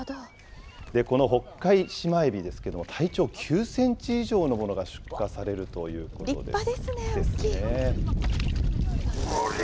このホッカイシマエビですけども、体長９センチ以上のものが出荷されるということです。